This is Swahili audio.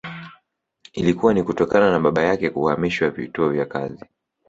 Ilikuwa ni kutokana na baba yake kuhamishwa vituo vya kazi